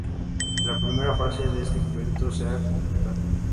La primera fase de este proyecto ya se ha completado.